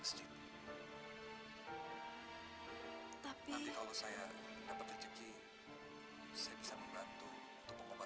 sampai jumpa di video selanjutnya